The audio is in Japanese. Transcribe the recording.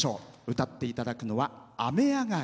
歌っていただくのは「雨あがり」。